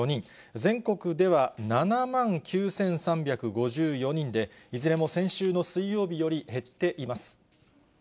全国では７万９３５４人で、いずれも先週の水曜日より減っています。